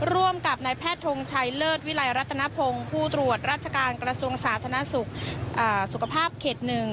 ร่วมกับนายแพทย์ทงชัยเลิศวิลัยรัฐนพงศ์ผู้ตรวจราชการกระทรวงสาธารณสุขสุขภาพเขต๑